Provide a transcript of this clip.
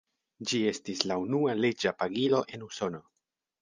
Ĝi estis la unua leĝa pagilo en Usono.